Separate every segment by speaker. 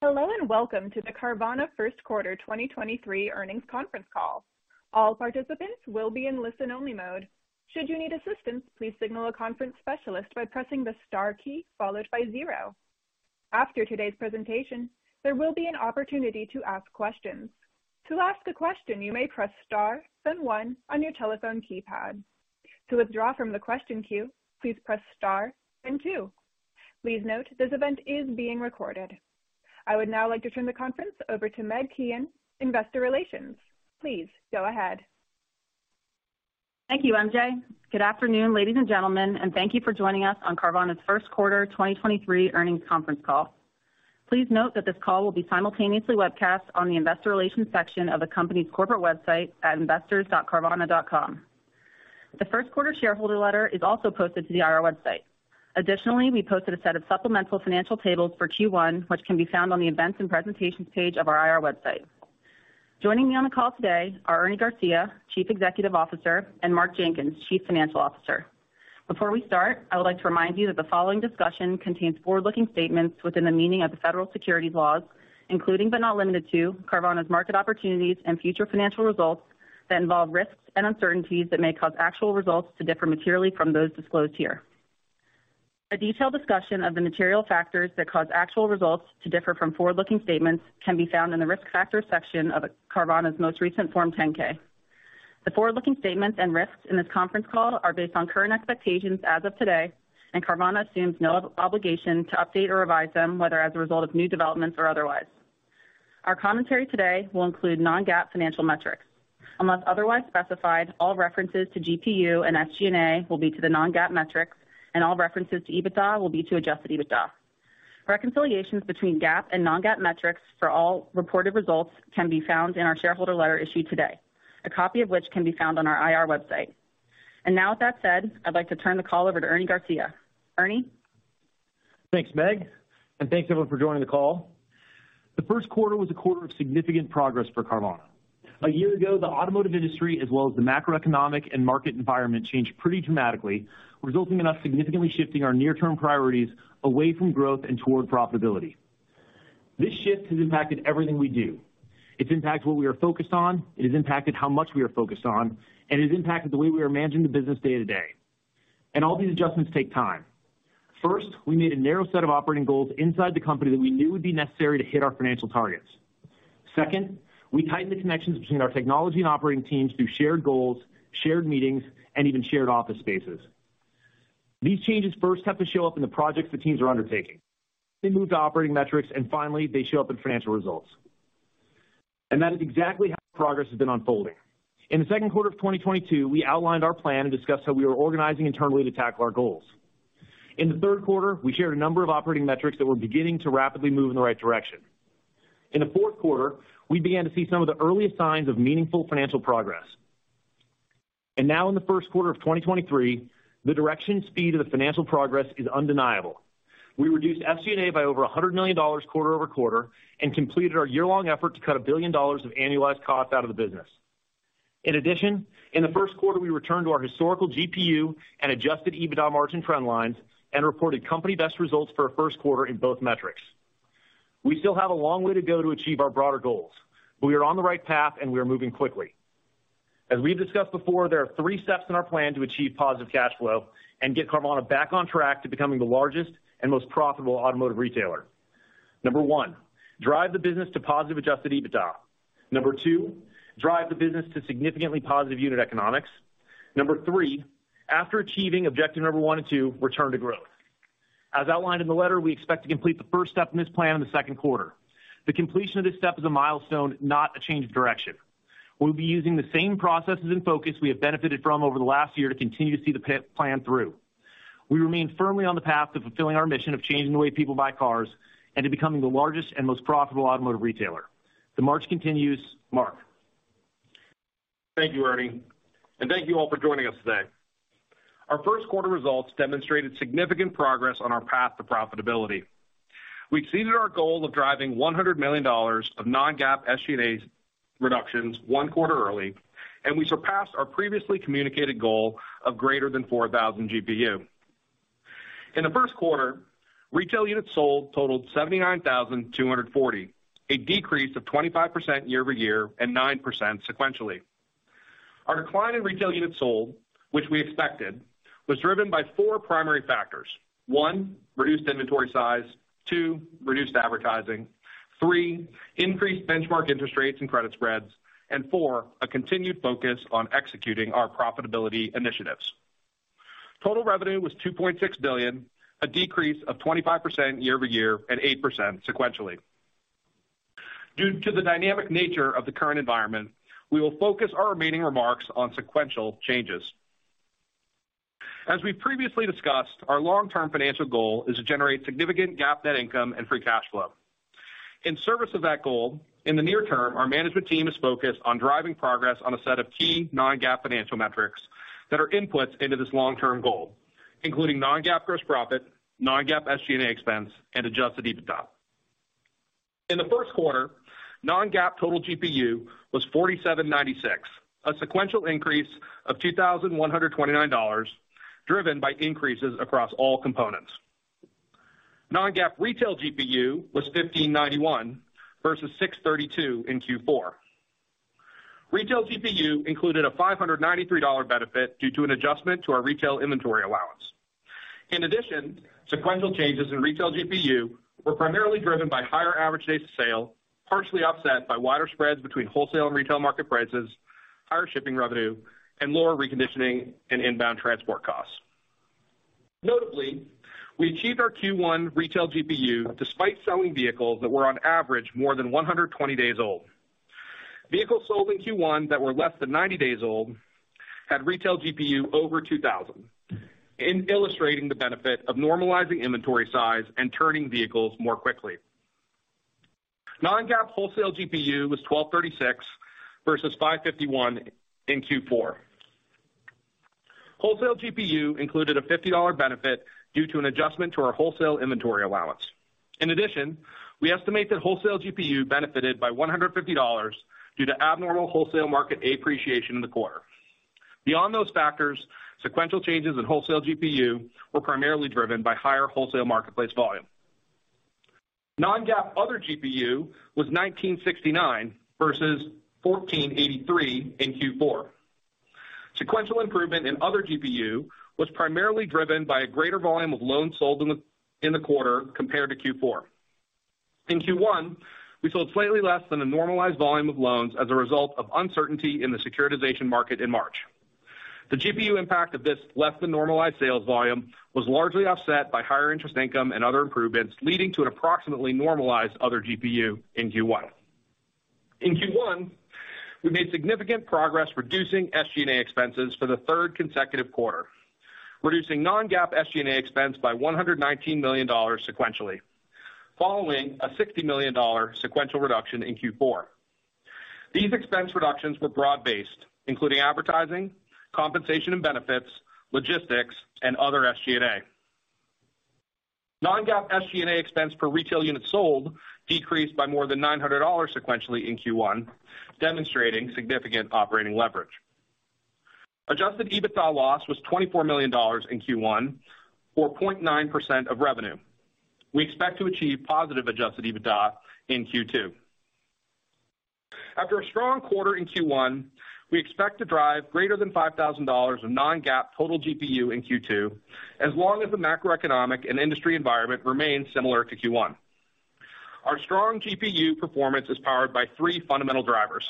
Speaker 1: Hello, and welcome to the Carvana Q1 2023 earnings conference call. All participants will be in listen-only mode. Should you need assistance, please signal a conference specialist by pressing the star key followed by 0. After today's presentation, there will be an opportunity to ask questions. To ask a question, you may press * then 1 on your telephone keypad. To withdraw from the question queue, please press * then 2. Please note this event is being recorded. I would now like to turn the conference over to Meg Kehan, Investor Relations. Please go ahead.
Speaker 2: Thank you, MJ. Good afternoon, ladies and gentlemen, thank you for joining us on Carvana's Q1 2023 earnings conference call. Please note that this call will be simultaneously webcast on the investor relations section of the company's corporate website at investors.carvana.com. The Q1 shareholder letter is also posted to the IR website. Additionally, we posted a set of supplemental financial tables for Q1 which can be found on the Events and Presentations page of our IR website. Joining me on the call today are Ernie Garcia, Chief Executive Officer, and Mark Jenkins, Chief Financial Officer. Before we start, I would like to remind you that the following discussion contains forward-looking statements within the meaning of the federal securities laws, including but not limited to Carvana's market opportunities and future financial results that involve risks and uncertainties that may cause actual results to differ materially from those disclosed here. A detailed discussion of the material factors that cause actual results to differ from forward-looking statements can be found in the Risk Factors section of Carvana's most recent Form 10-K. The forward-looking statements and risks in this conference call are based on current expectations as of today, and Carvana assumes no obligation to update or revise them, whether as a result of new developments or otherwise. Our commentary today will include non-GAAP financial metrics. Unless otherwise specified, all references to GPU and SG&A will be to the non-GAAP metrics, and all references to EBITDA will be to adjusted EBITDA. Reconciliations between GAAP and non-GAAP metrics for all reported results can be found in our shareholder letter issued today, a copy of which can be found on our IR website. Now with that said, I'd like to turn the call over to Ernie Garcia. Ernie.
Speaker 3: Thanks, Meg. Thank you, everyone, for joining the call. The Q1 was a quarter of significant progress for Carvana. A year ago, the automotive industry as well as the macroeconomic and market environment changed pretty dramatically, resulting in us significantly shifting our near-term priorities away from growth and toward profitability. This shift has impacted everything we do. It's impacted what we are focused on, it has impacted how much we are focused on, and it has impacted the way we are managing the business day-to-day. All these adjustments take time. First, we made a narrow set of operating goals inside the company that we knew would be necessary to hit our financial targets. Second, we tightened the connections between our technology and operating teams through shared goals, shared meetings, and even shared office spaces. These changes first have to show up in the projects the teams are undertaking. They move to operating metrics, and finally, they show up in financial results. That is exactly how progress has been unfolding. In the Q2 of 2022, we outlined our plan and discussed how we were organizing internally to tackle our goals. In the Q3, we shared a number of operating metrics that were beginning to rapidly move in the right direction. In the Q4, we began to see some of the earliest signs of meaningful financial progress. Now in the Q1 of 2023, the direction speed of the financial progress is undeniable. We reduced SG&A by over $100 million quarter-over-quarter and completed our year-long effort to cut $1 billion of annualized costs out of the business. In addition, in the Q1, we returned to our historical GPU and adjusted EBITDA margin trend lines and reported company best results for a Q1 in both metrics. We still have a long way to go to achieve our broader goals, but we are on the right path, and we are moving quickly. As we've discussed before, there are 3 steps in our plan to achieve positive cash flow and get Carvana back on track to becoming the largest and most profitable automotive retailer. Number 1, drive the business to positive adjusted EBITDA. Number 2, drive the business to significantly positive unit economics. Number 3, after achieving objective number 1 and 2, return to growth. As outlined in the letter, we expect to complete the 1st step in this plan in the Q2. The completion of this step is a milestone, not a change of direction. We'll be using the same processes and focus we have benefited from over the last year to continue to see the plan through. We remain firmly on the path to fulfilling our mission of changing the way people buy cars and to becoming the largest and most profitable automotive retailer. The march continues. Mark.
Speaker 4: Thank you, Ernie. Thank you all for joining us today. Our Q1 results demonstrated significant progress on our path to profitability. We exceeded our goal of driving $100 million of non-GAAP SG&A reductions 1 quarter early. We surpassed our previously communicated goal of greater than 4,000 GPU. In the Q1, retail units sold totaled 79,240, a decrease of 25% year-over-year and 9% sequentially. Our decline in retail units sold, which we expected, was driven by 4 primary factors. 1, reduced inventory size, 2, reduced advertising, 3, increased benchmark interest rates and credit spreads, and 4, a continued focus on executing our profitability initiatives. Total revenue was $2.6 billion, a decrease of 25% year-over-year and 8% sequentially. Due to the dynamic nature of the current environment, we will focus our remaining remarks on sequential changes. As we previously discussed, our long-term financial goal is to generate significant GAAP net income and free cash flow. In service of that goal, in the near term, our management team is focused on driving progress on a set of key non-GAAP financial metrics that are inputs into this long-term goal, including non-GAAP gross profit, non-GAAP SG&A expense, and adjusted EBITDA. In the Q1, non-GAAP total GPU was $4,796, a sequential increase of $2,129, driven by increases across all components. Non-GAAP Retail GPU was $1,591 versus $632 in Q4. Retail GPU included a $593 benefit due to an adjustment to our retail inventory allowance. In addition, sequential changes in Retail GPU were primarily driven by higher average days of sale, partially offset by wider spreads between wholesale and retail market prices, higher shipping revenue, and lower reconditioning and inbound transport costs. Notably, we achieved our Q1 Retail GPU despite selling vehicles that were on average more than 120 days old. Vehicles sold in Q1 that were less than 90 days old had Retail GPU over $2,000, in illustrating the benefit of normalizing inventory size and turning vehicles more quickly. non-GAAP Wholesale GPU was $1,236 versus $551 in Q4. Wholesale GPU included a $50 benefit due to an adjustment to our wholesale inventory allowance. In addition, we estimate that Wholesale GPU benefited by $150 due to abnormal wholesale market appreciation in the quarter. Beyond those factors, sequential changes in Wholesale GPU were primarily driven by higher wholesale marketplace volume. Non-GAAP Other GPU was 1,969 versus 1,483 in Q4. Sequential improvement in Other GPU was primarily driven by a greater volume of loans sold in the quarter compared to Q4. In Q1, we sold slightly less than a normalized volume of loans as a result of uncertainty in the securitization market in March. The GPU impact of this less than normalized sales volume was largely offset by higher interest income and other improvements, leading to an approximately normalized Other GPU in Q1. In Q1, we made significant progress reducing SG&A expenses for the 3rd consecutive quarter, reducing non-GAAP SG&A expense by $119 million sequentially, following a $60 million sequential reduction in Q4. These expense reductions were broad-based, including advertising, compensation and benefits, logistics and other SG&A. Non-GAAP SG&A expense per retail unit sold decreased by more than $900 sequentially in Q1, demonstrating significant operating leverage. Adjusted EBITDA loss was $24 million in Q1 or 0.9% of revenue. We expect to achieve positive adjusted EBITDA in Q2. After a strong quarter in Q1, we expect to drive greater than $5,000 of non-GAAP total GPU in Q2, as long as the macroeconomic and industry environment remains similar to Q1. Our strong GPU performance is powered by 3 fundamental drivers.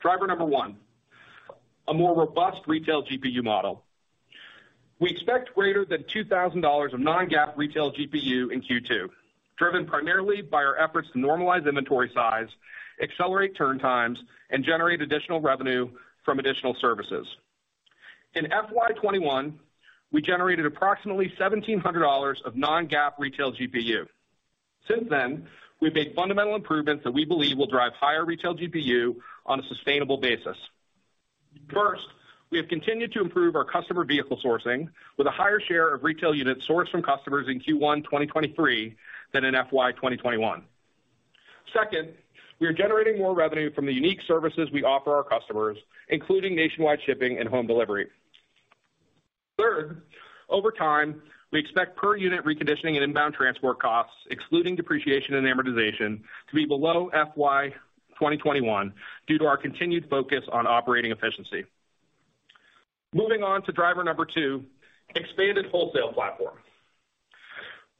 Speaker 4: Driver number 1, a more robust retail GPU model. We expect greater than $2,000 of non-GAAP retail GPU in Q2, driven primarily by our efforts to normalize inventory size, accelerate turn times, and generate additional revenue from additional services. In FY 2021, we generated approximately $1,700 of non-GAAP Retail GPU. Since then, we've made fundamental improvements that we believe will drive higher Retail GPU on a sustainable basis. First, we have continued to improve our customer vehicle sourcing with a higher share of retail units sourced from customers in Q1 2023 than in FY 2021. Second, we are generating more revenue from the unique services we offer our customers, including nationwide shipping and home delivery. Third, over time, we expect per unit reconditioning and inbound transport costs, excluding depreciation and amortization, to be below FY 2021 due to our continued focus on operating efficiency. Moving on to driver number 2, expanded wholesale platform.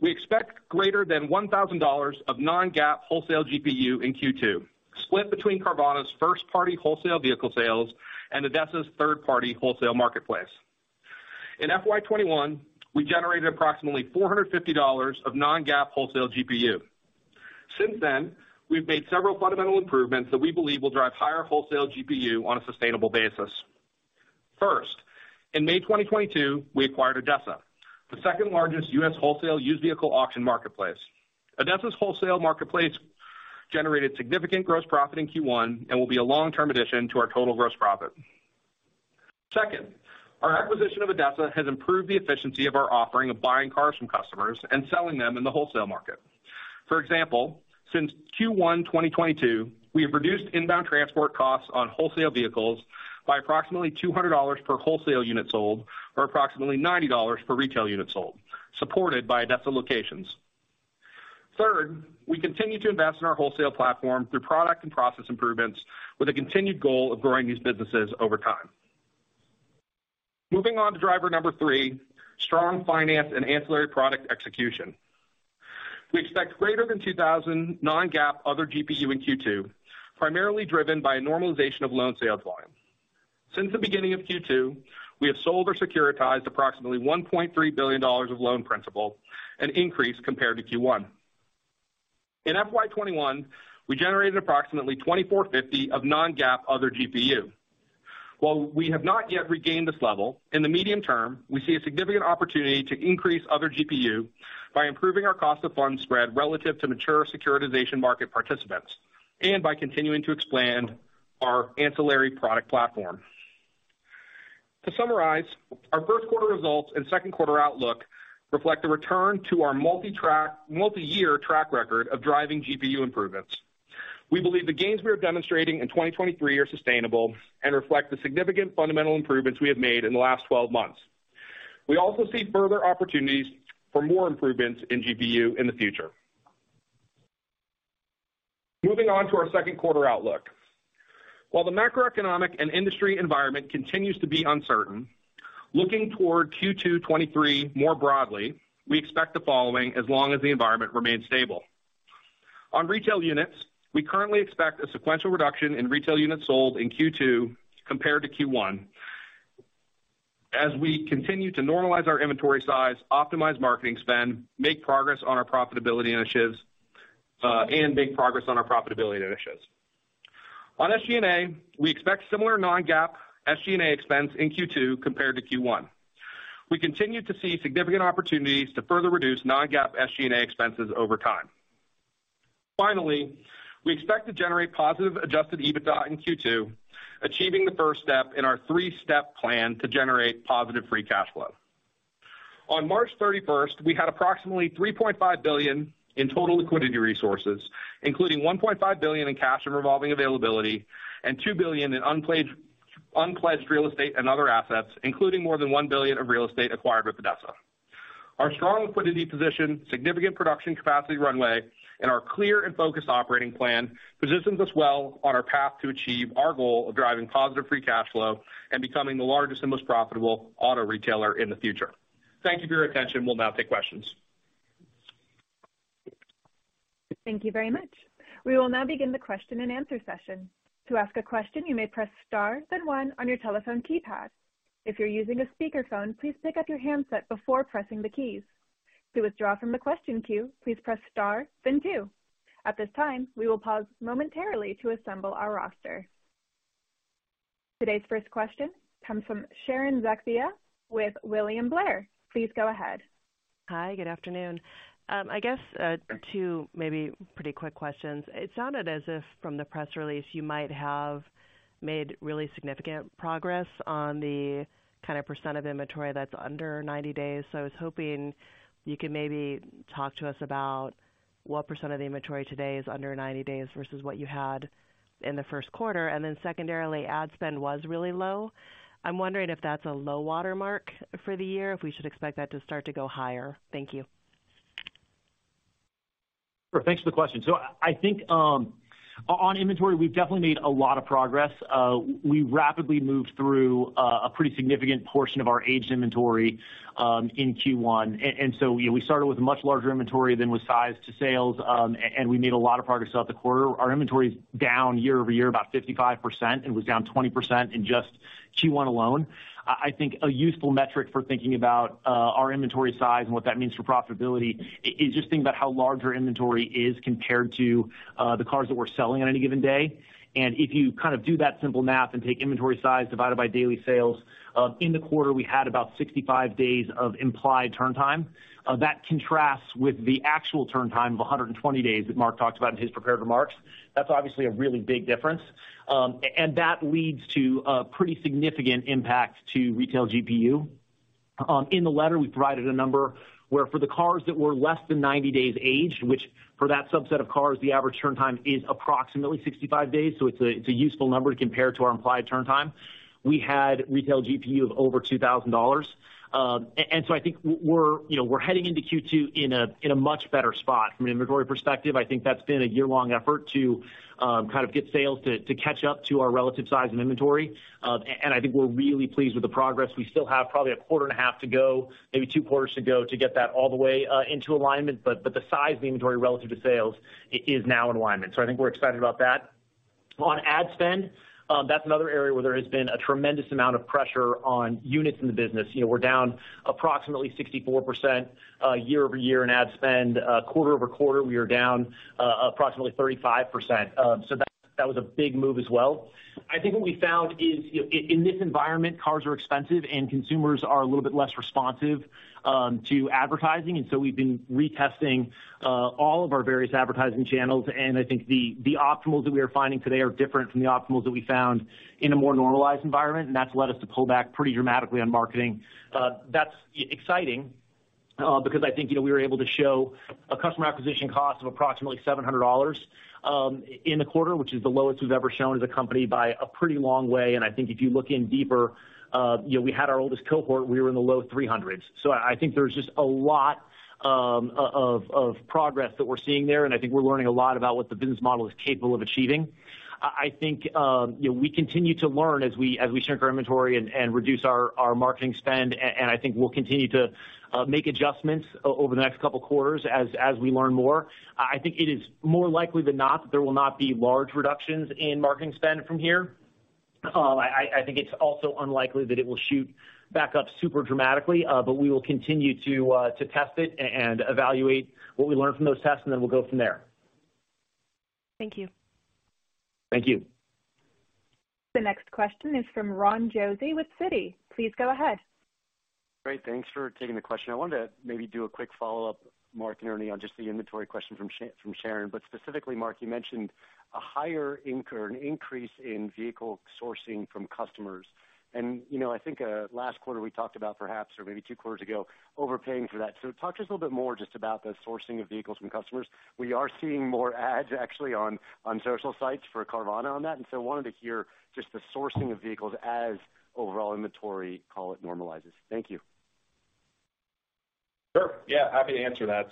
Speaker 4: We expect greater than $1,000 of non-GAAP Wholesale GPU in Q2, split between Carvana's first-party wholesale vehicle sales and ADESA's third-party wholesale marketplace. In FY 2021, we generated approximately $450 of non-GAAP Wholesale GPU. Since then, we've made several fundamental improvements that we believe will drive higher Wholesale GPU on a sustainable basis. First, in May 2022, we acquired ADESA, the 2nd largest U.S. wholesale used vehicle auction marketplace. ADESA's wholesale marketplace generated significant gross profit in Q1 and will be a long-term addition to our total gross profit. Second, our acquisition of ADESA has improved the efficiency of our offering of buying cars from customers and selling them in the wholesale market. For example, since Q1 2022, we have reduced inbound transport costs on wholesale vehicles by approximately $200 per wholesale unit sold or approximately $90 per retail unit sold, supported by ADESA locations. Third, we continue to invest in our wholesale platform through product and process improvements with a continued goal of growing these businesses over time. Moving on to driver number 3, strong finance and ancillary product execution. We expect greater than 2,000 non-GAAP Other GPU in Q2, primarily driven by a normalization of loan sales volume. Since the beginning of Q2, we have sold or securitized approximately $1.3 billion of loan principal, an increase compared to Q1. In FY 2021, we generated approximately 2,450 of non-GAAP Other GPU. While we have not yet regained this level, in the medium term, we see a significant opportunity to increase Other GPU by improving our cost of funds spread relative to mature securitization market participants and by continuing to expand our ancillary product platform. To summarize, our Q1 results and Q2 outlook reflect a return to our multi-track, multi-year track record of driving GPU improvements. We believe the gains we are demonstrating in 2023 are sustainable and reflect the significant fundamental improvements we have made in the last 12 months. We also see further opportunities for more improvements in GPU in the future. Moving on to our Q2 outlook. While the macroeconomic and industry environment continues to be uncertain, looking toward Q2 2023 more broadly, we expect the following as long as the environment remains stable. On retail units, we currently expect a sequential reduction in retail units sold in Q2 compared to Q1 as we continue to normalize our inventory size, optimize marketing spend, make progress on our profitability initiatives. On SG&A, we expect similar non-GAAP SG&A expense in Q2 compared to Q1. We continue to see significant opportunities to further reduce non-GAAP SG&A expenses over time. We expect to generate positive adjusted EBITDA in Q2, achieving the 1st step in our 3-step plan to generate positive free cash flow. On March 31st, we had approximately $3.5 billion in total liquidity resources, including $1.5 billion in cash and revolving availability and $2 billion in unpledged real estate and other assets, including more than $1 billion of real estate acquired with ADESA. Our strong liquidity position, significant production capacity runway, and our clear and focused operating plan positions us well on our path to achieve our goal of driving positive free cash flow and becoming the largest and most profitable auto retailer in the future. Thank you for your attention. We'll now take questions.
Speaker 1: Thank you very much. We will now begin the question and answer session. To ask a question, you may press * then 1 on your telephone keypad. If you're using a speakerphone, please pick up your handset before pressing the keys. To withdraw from the question queue, please press * then 2. At this time, we will pause momentarily to assemble our roster. Today's 1st question comes from Sharon Zackfia with William Blair. Please go ahead.
Speaker 5: Hi, good afternoon. I guess, 2 maybe pretty quick questions. It sounded as if from the press release you might have made really significant progress on the kind of % of inventory that's under 90 days. I was hoping you could maybe talk to us about what % of the inventory today is under 90 days versus what you had in the Q1. Secondarily, ad spend was really low. I'm wondering if that's a low watermark for the year, if we should expect that to start to go higher. Thank you.
Speaker 3: I think on inventory, we've definitely made a lot of progress. We rapidly moved through a pretty significant portion of our aged inventory in Q1. You know, we started with a much larger inventory than was sized to sales, and we made a lot of progress throughout the quarter. Our inventory's down year-over-year about 55%, and was down 20% in just Q1 alone. I think a useful metric for thinking about our inventory size and what that means for profitability is just thinking about how large our inventory is compared to the cars that we're selling on any given day. If you kind of do that simple math and take inventory size divided by daily sales, in the quarter, we had about 65 days of implied turn time. That contrasts with the actual turn time of 120 days that Mark talked about in his prepared remarks. That's obviously a really big difference. That leads to a pretty significant impact to Retail GPU. In the letter, we provided a number where for the cars that were less than 90 days aged, which for that subset of cars, the average turn time is approximately 65 days. It's a useful number to compare to our implied turn time. We had Retail GPU of over $2,000. So I think, you know, we're heading into Q2 in a much better spot from an inventory perspective. I think that's been a year-long effort to kind of get sales to catch up to our relative size and inventory. I think we're really pleased with the progress. We still have probably a quarter and a half to go, maybe 2 quarters to go to get that all the way into alignment, but the size of the inventory relative to sales is now in alignment. I think we're excited about that. On ad spend, that's another area where there has been a tremendous amount of pressure on units in the business. You know, we're down approximately 64% year-over-year in ad spend. Quarter-over-quarter, we are down approximately 35%. That was a big move as well. I think what we found is, you know, in this environment, cars are expensive and consumers are a little bit less responsive to advertising. We've been retesting all of our various advertising channels, and I think the optimals that we are finding today are different from the optimals that we found in a more normalized environment, and that's led us to pull back pretty dramatically on marketing. That's exciting, because I think, you know, we were able to show a customer acquisition cost of approximately $700 in the quarter, which is the lowest we've ever shown as a company by a pretty long way. I think if you look in deeper, you know, we had our oldest cohort, we were in the low 300s. I think there's just a lot of progress that we're seeing there, and I think we're learning a lot about what the business model is capable of achieving. I think, you know, we continue to learn as we shrink our inventory and reduce our marketing spend, and I think we'll continue to make adjustments over the next couple quarters as we learn more. I think it is more likely than not that there will not be large reductions in marketing spend from here. I think it's also unlikely that it will shoot back up super dramatically, but we will continue to test it and evaluate what we learn from those tests, and then we'll go from there.
Speaker 5: Thank you.
Speaker 3: Thank you.
Speaker 1: The next question is from Ron Josey with Citi. Please go ahead.
Speaker 6: Great. Thanks for taking the question. I wanted to maybe do a quick follow-up, Mark and Ernie, on just the inventory question from Sharon. Specifically, Mark, you mentioned a higher an increase in vehicle sourcing from customers. You know, I think, last quarter we talked about perhaps or maybe 2 quarters ago, overpaying for that. Talk to us a little bit more just about the sourcing of vehicles from customers. We are seeing more ads actually on social sites for Carvana on that, I wanted to hear just the sourcing of vehicles as overall inventory, call it, normalizes. Thank you.
Speaker 3: Sure. Yeah, happy to answer that.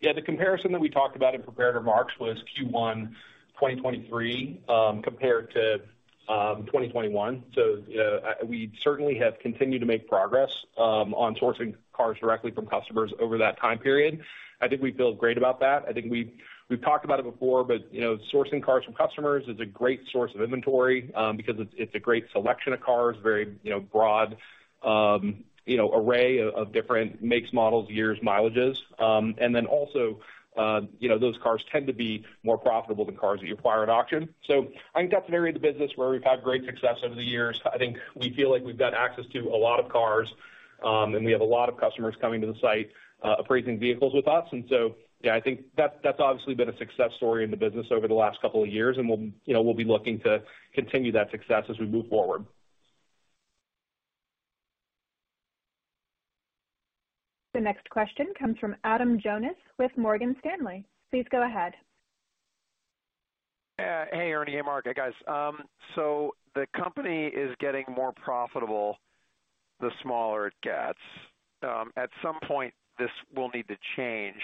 Speaker 3: Yeah, the comparison that we talked about in prepared remarks was Q1 2023, compared to, 2021. You know, we certainly have continued to make progress on sourcing cars directly from customers over that time period. I think we feel great about that. I think we've talked about it before, but, you know, sourcing cars from customers is a great source of inventory, because it's a great selection of cars, very, you know, broad, you know, array of different makes, models, years, mileages. Then also, you know, those cars tend to be more profitable than cars that you acquire at auction. I think that's an area of the business where we've had great success over the years. I think we feel like we've got access to a lot of cars, and we have a lot of customers coming to the site, appraising vehicles with us. Yeah, I think that's obviously been a success story in the business over the last couple of years, and we'll, you know, we'll be looking to continue that success as we move forward.
Speaker 1: The next question comes from Adam Jonas with Morgan Stanley. Please go ahead.
Speaker 7: Hey, Ernie Garcia. Hey, Mark Jenkins. Hey, guys. The company is getting more profitable the smaller it gets. At some point, this will need to change.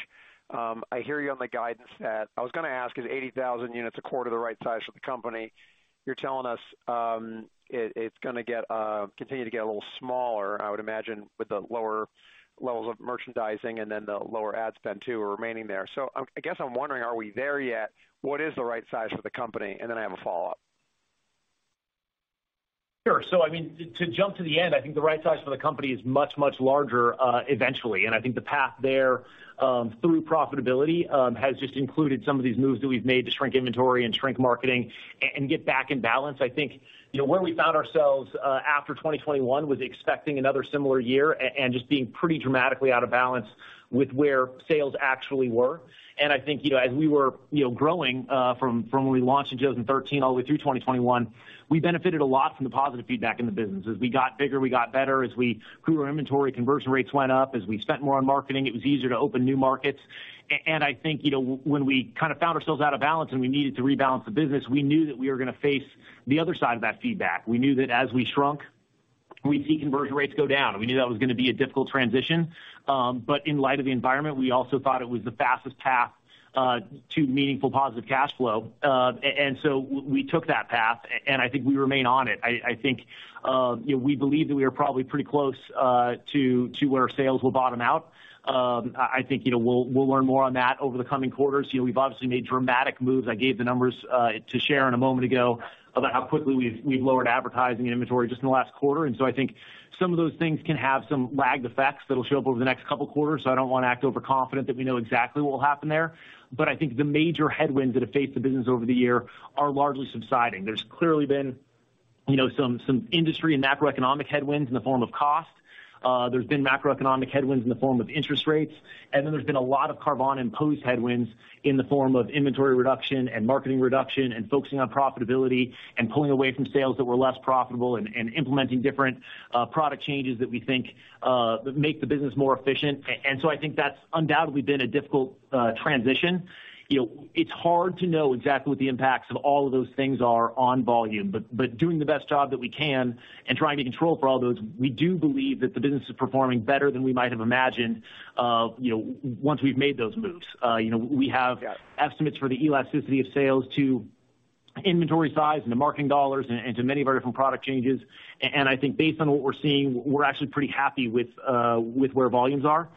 Speaker 7: I hear you on the guidance that I was gonna ask, is 80,000 units a quarter the right size for the company? You're telling us, it's gonna get, continue to get a little smaller, I would imagine, with the lower levels of merchandising and then the lower ad spend too remaining there. I guess I'm wondering, are we there yet? What is the right size for the company? I have a follow-up.
Speaker 3: Sure. I mean, to jump to the end, I think the right size for the company is much, much larger eventually. I think the path there through profitability has just included some of these moves that we've made to shrink inventory and shrink marketing and get back in balance. I think, you know, where we found ourselves after 2021 was expecting another similar year and just being pretty dramatically out of balance with where sales actually were. I think, you know, as we were, you know, growing from when we launched in 2013 all the way through 2021, we benefited a lot from the positive feedback in the business. As we got bigger, we got better. As we grew our inventory, conversion rates went up. As we spent more on marketing, it was easier to open new markets. I think, you know, when we kinda found ourselves out of balance and we needed to rebalance the business, we knew that we were gonna face the other side of that feedback. We knew that as we shrunk, we'd see conversion rates go down, and we knew that was gonna be a difficult transition. In light of the environment, we also thought it was the fastest path to meaningful positive cash flow. We took that path, and I think we remain on it. I think, you know, we believe that we are probably pretty close to where sales will bottom out. I think, you know, we'll learn more on that over the coming quarters. You know, we've obviously made dramatic moves. I gave the numbers to Sharon a moment ago about how quickly we've lowered advertising and inventory just in the last quarter. I think some of those things can have some lagged effects that'll show up over the next couple quarters, so I don't wanna act overconfident that we know exactly what will happen there. I think the major headwinds that have faced the business over the year are largely subsiding. There's clearly been, you know, some industry and macroeconomic headwinds in the form of cost. There's been macroeconomic headwinds in the form of interest rates. There's been a lot of Carvana-imposed headwinds in the form of inventory reduction and marketing reduction and focusing on profitability and pulling away from sales that were less profitable and implementing different product changes that we think make the business more efficient. I think that's undoubtedly been a difficult transition. You know, it's hard to know exactly what the impacts of all of those things are on volume, but doing the best job that we can and trying to control for all those, we do believe that the business is performing better than we might have imagined, you know, once we've made those moves. You know, we have estimates for the elasticity of sales to inventory size and to marketing dollars and to many of our different product changes. I think based on what we're seeing, we're actually pretty happy with where volumes are.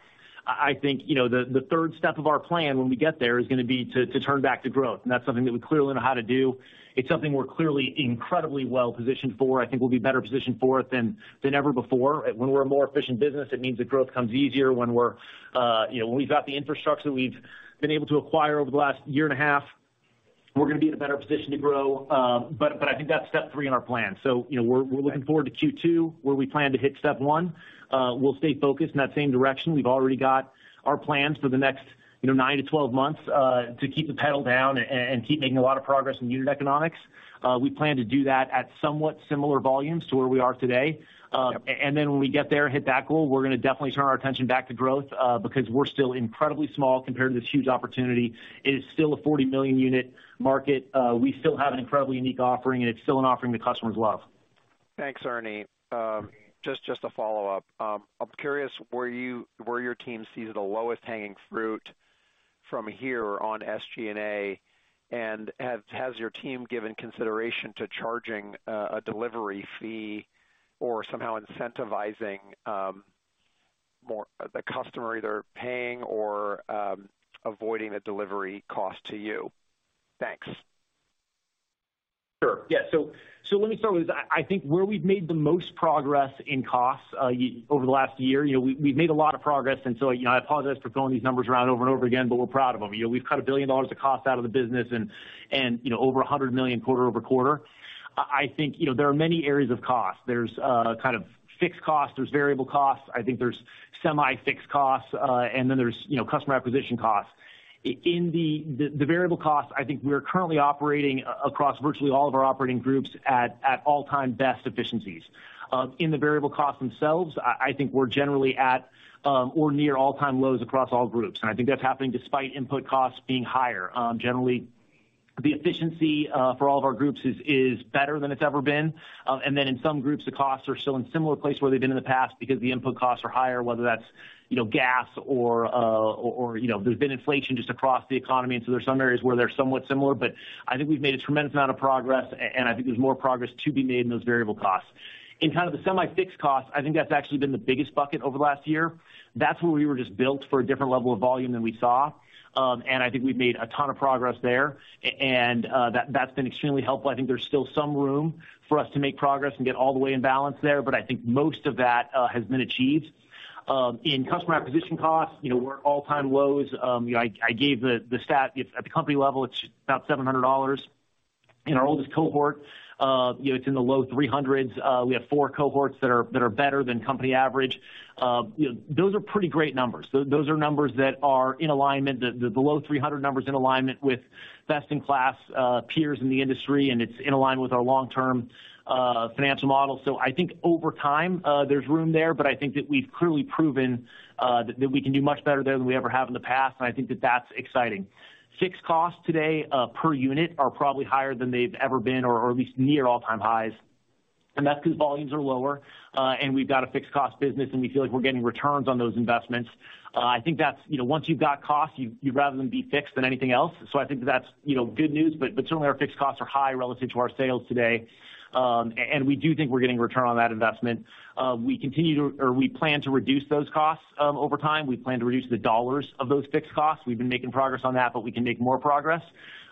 Speaker 3: I think, you know, the 3rd step of our plan when we get there is gonna be to turn back to growth, and that's something that we clearly know how to do. It's something we're clearly incredibly well positioned for. I think we'll be better positioned for it than ever before. When we're a more efficient business, it means that growth comes easier. When we're, you know, when we've got the infrastructure that we've been able to acquire over the last year and a half, we're gonna be in a better position to grow. I think that's step 3 in our plan. You know, we're looking forward to Q2, where we plan to hit step 1. We'll stay focused in that same direction. We've already got our plans for the next, you know, 9-12 months, to keep the pedal down and keep making a lot of progress in unit economics. We plan to do that at somewhat similar volumes to where we are today. Then when we get there and hit that goal, we're gonna definitely turn our attention back to growth, because we're still incredibly small compared to this huge opportunity. It is still a 40 million unit market. We still have an incredibly unique offering, and it's still an offering that customers love.
Speaker 7: Thanks, Ernie. Just to follow up. I'm curious where your team sees the lowest hanging fruit from here on SG&A. Has your team given consideration to charging a delivery fee or somehow incentivizing the customer either paying or avoiding the delivery cost to you? Thanks.
Speaker 3: Let me start with, I think where we've made the most progress in costs over the last year, you know, we've made a lot of progress. You know, I apologize for throwing these numbers around over and over again, but we're proud of them. You know, we've cut $1 billion of cost out of the business and, you know, over $100 million quarter-over-quarter. I think, you know, there are many areas of cost. There's kind of fixed costs, there's variable costs. I think there's semi-fixed costs, then there's, you know, customer acquisition costs. In the variable costs, I think we are currently operating across virtually all of our operating groups at all-time best efficiencies. In the variable costs themselves, I think we're generally at or near all-time lows across all groups. I think that's happening despite input costs being higher. Generally, the efficiency for all of our groups is better than it's ever been. In some groups, the costs are still in similar place where they've been in the past because the input costs are higher, whether that's, you know, gas or, you know, there's been inflation just across the economy. There's some areas where they're somewhat similar, but I think we've made a tremendous amount of progress, and I think there's more progress to be made in those variable costs. In kind of the semi-fixed costs, I think that's actually been the biggest bucket over the last year. That's where we were just built for a different level of volume than we saw. I think we've made a ton of progress there, and that's been extremely helpful. I think there's still some room for us to make progress and get all the way in balance there, but I think most of that has been achieved. In customer acquisition costs, you know, we're at all-time lows. You know, I gave the stat. At the company level, it's about $700. In our oldest cohort, you know, it's in the low 300s. We have 4 cohorts that are better than company average. You know, those are pretty great numbers. Those are numbers that are in alignment, the below 300 numbers in alignment with best in class peers in the industry. It's in line with our long-term financial model. I think over time, there's room there. I think that we've clearly proven that we can do much better there than we ever have in the past. I think that that's exciting. Fixed costs today per unit are probably higher than they've ever been or at least near all-time highs. That's because volumes are lower. We've got a fixed cost business. We feel like we're getting returns on those investments. I think that's, you know, once you've got costs, you'd rather them be fixed than anything else. I think that's, you know, good news. Certainly our fixed costs are high relative to our sales today. We do think we're getting return on that investment. We plan to reduce those costs over time. We plan to reduce the dollars of those fixed costs. We've been making progress on that, but we can make more progress.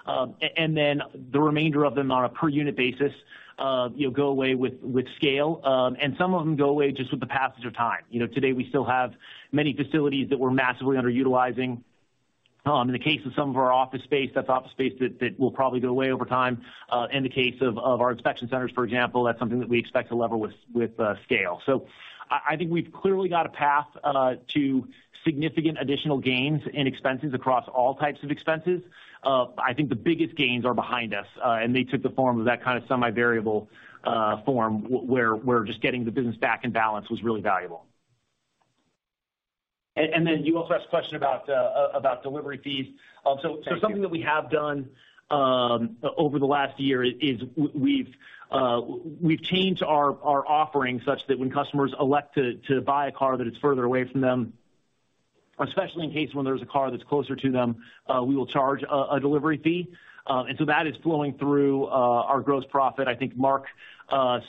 Speaker 3: The remainder of them on a per unit basis, you know, go away with scale. Some of them go away just with the passage of time. You know, today we still have many facilities that we're massively underutilizing. In the case of some of our office space, that's office space that will probably go away over time. In the case of our inspection centers, for example, that's something that we expect to lever with scale. I think we've clearly got a path to significant additional gains in expenses across all types of expenses. I think the biggest gains are behind us, and they took the form of that kind of semi-variable form where just getting the business back in balance was really valuable. And then you also asked a question about delivery fees. Something that we have done over the last year is we've changed our offering such that when customers elect to buy a car that is further away from them, especially in case when there's a car that's closer to them, we will charge a delivery fee. That is flowing through our gross profit. I think Mark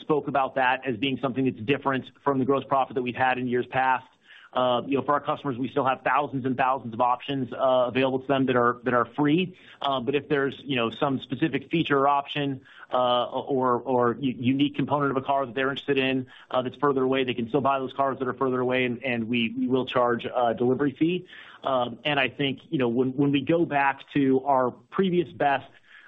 Speaker 3: spoke about that as being something that's different from the gross profit that we've had in years past. You know, for our customers, we still have thousands and thousands of options available to them that are free. If there's, you know, some specific feature or option, or unique component of a car that they're interested in, that's further away, they can still buy those cars that are further away and we will charge a delivery fee. I think, you know, when we go back to our previous best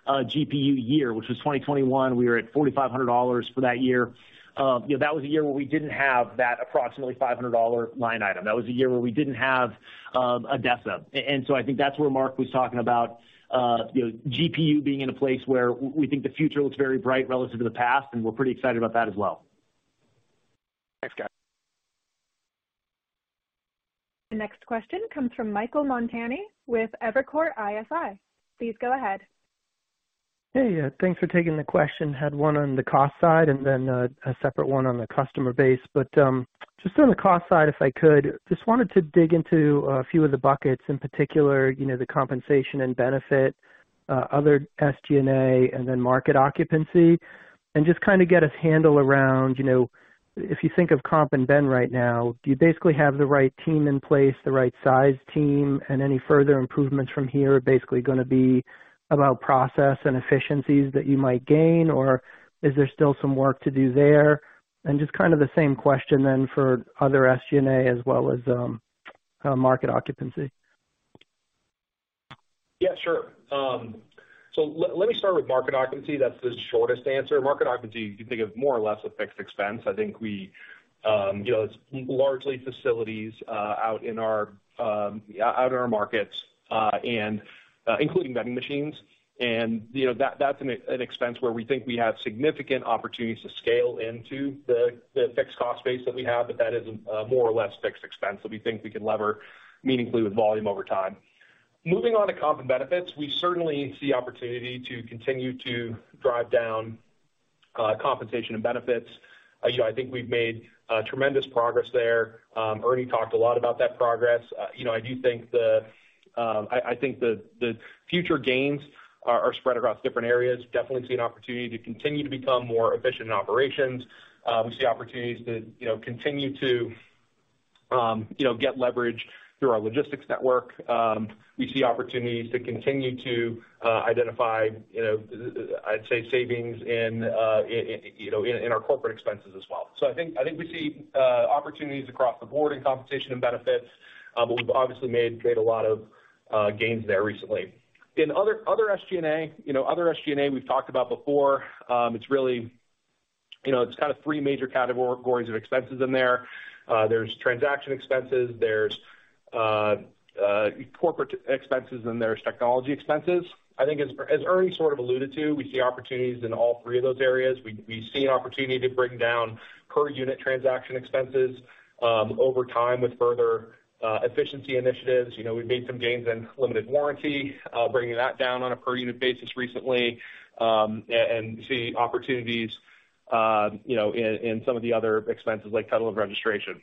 Speaker 3: GPU year, which was 2021, we were at $4,500 for that year. You know, that was a year where we didn't have that approximately $500 line item. That was a year where we didn't have ADESA. I think that's where Mark was talking about, you know, GPU being in a place where we think the future looks very bright relative to the past, and we're pretty excited about that as well.
Speaker 7: Thanks, guys.
Speaker 1: The next question comes from Michael Montani with Evercore ISI. Please go ahead.
Speaker 8: Hey. Thanks for taking the question. Had 1 on the cost side and then, a separate one on the customer base. Just on the cost side, if I could, just wanted to dig into a few of the buckets, in particular, you know, the compensation and benefit, other SG&A and then market occupancy, and just kinda get a handle around, you know, if you think of comp and ben right now, do you basically have the right team in place, the right size team, and any further improvements from here are basically gonna be about process and efficiencies that you might gain, or is there still some work to do there? Just kind of the same question then for other SG&A as well as, market occupancy.
Speaker 4: Sure. Let me start with market occupancy. That's the shortest answer. Market occupancy, you can think of more or less a fixed expense. I think we, you know, it's largely facilities out in our, yeah, out in our markets, and including vending machines. You know, that's an expense where we think we have significant opportunities to scale into the fixed cost base that we have, but that is more or less fixed expense that we think we can lever meaningfully with volume over time. Moving on to comp and benefits, we certainly see opportunity to continue to drive down compensation and benefits. You know, I think we've made tremendous progress there. Ernie talked a lot about that progress. you know, I do think the, I think the future gains are spread across different areas. Definitely see an opportunity to continue to become more efficient in operations. We see opportunities to, you know, continue to You know, get leverage through our logistics network. We see opportunities to continue to identify, you know, I'd say savings in, you know, in our corporate expenses as well. I think, I think we see opportunities across the board in compensation and benefits. We've obviously made a lot of gains there recently. In other SG&A, you know, other SG&A we've talked about before. It's really, you know, it's kind of 3 major categories of expenses in there. There's transaction expenses, there's corporate expenses, and there's technology expenses. I think as Ernie sort of alluded to, we see opportunities in all 3 of those areas. We see an opportunity to bring down per unit transaction expenses over time with further efficiency initiatives. You know, we've made some gains in limited warranty, bringing that down on a per unit basis recently, and see opportunities, you know, in some of the other expenses like title and registration.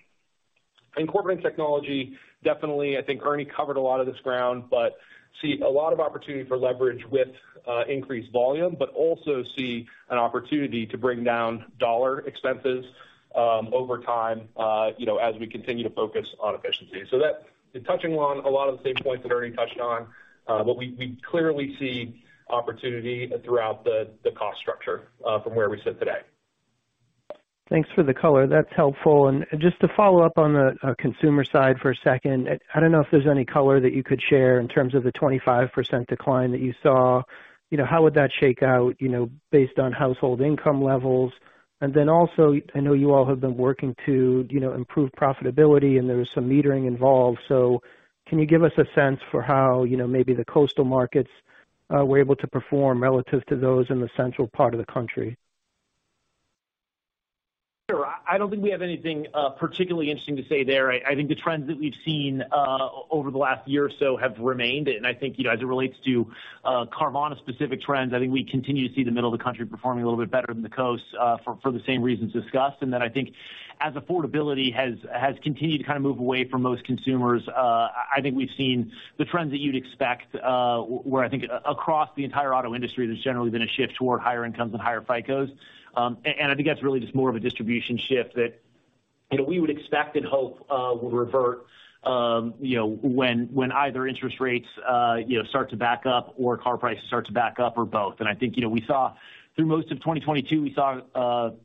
Speaker 4: In corporate technology, definitely, I think Ernie covered a lot of this ground, but see a lot of opportunity for leverage with increased volume, but also see an opportunity to bring down dollar expenses, over time, you know, as we continue to focus on efficiency. That's touching on a lot of the same points that Ernie touched on. We clearly see opportunity throughout the cost structure, from where we sit today.
Speaker 8: Thanks for the color. That's helpful. Just to follow up on the consumer side for a second. I don't know if there's any color that you could share in terms of the 25% decline that you saw. You know, how would that shake out, you know, based on household income levels? Then also, I know you all have been working to, you know, improve profitability, and there was some metering involved. Can you give us a sense for how, you know, maybe the coastal markets were able to perform relative to those in the central part of the country?
Speaker 4: Sure. I don't think we have anything particularly interesting to say there. I think the trends that we've seen over the last year or so have remained. I think, you know, as it relates to Carvana-specific trends, I think we continue to see the middle of the country performing a little bit better than the coast for the same reasons discussed. I think as affordability has continued to kind of move away from most consumers, I think we've seen the trends that you'd expect where I think across the entire auto industry, there's generally been a shift toward higher incomes and higher FICOs. I think that's really just more of a distribution shift that, you know, we would expect and hope, will revert, you know, when either interest rates, you know, start to back up or car prices start to back up or both. I think, you know, we saw through most of 2022, we saw,